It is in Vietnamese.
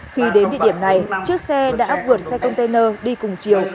khi đến địa điểm này chiếc xe đã vượt xe container đi cùng chiều